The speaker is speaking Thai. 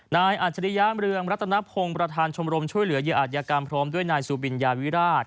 นายอาจริยามรึงรัฐนพงศ์ประธานชมรมช่วยเหลือยอาธิกรรมพร้อมด้วยนายสูบินยาวิราช